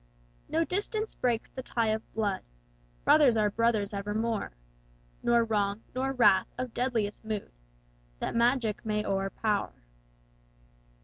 "No distance breaks the tie of blood; Brothers are brothers evermore; Nor wrong, nor wrath of deadliest mood, That magic may o'erpower."